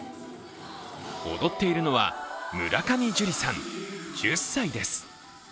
踊っているのは村上樹李さん、１０歳です。